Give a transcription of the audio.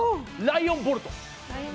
ライオンボルト。